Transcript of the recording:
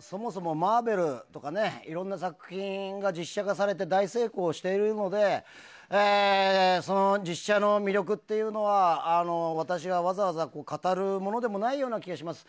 そもそもマーベルとかいろいろな作品が実写化されて大成功しているので実写の魅力というのは私がわざわざ語るものでもないような気がします。